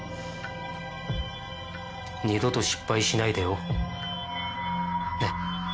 二度と失敗しないでよ。ね？